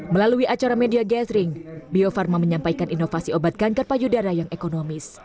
melalui acara media gathering bio farma menyampaikan inovasi obat kanker payudara yang ekonomis